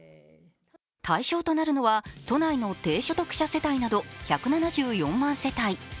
対象となるのは都内の低所得者世帯など１７４万世帯。